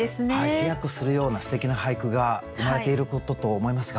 飛躍するようなすてきな俳句が生まれていることと思いますが。